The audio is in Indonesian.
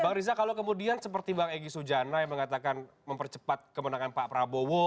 bang riza kalau kemudian seperti bang egy sujana yang mengatakan mempercepat kemenangan pak prabowo